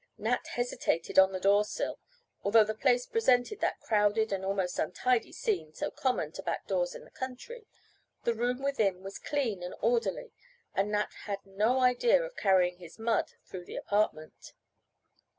Nat hesitated on the door sill. Although the place presented that crowded and almost untidy scene, so common to back doors in the country, the room within was clean and orderly, and Nat had no idea of carrying his mud through the apartment.